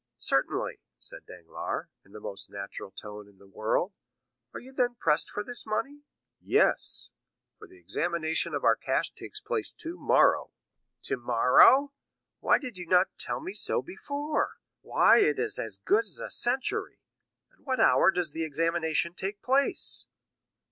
"Certainly," said Danglars, in the most natural tone in the world. "Are you then pressed for this money?" "Yes; for the examination of our cash takes place tomorrow." "Tomorrow? Why did you not tell me so before? Why, it is as good as a century! At what hour does the examination take place?"